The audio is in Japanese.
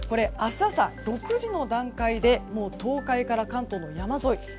明日朝６時の段階でもう東海から関東の山沿い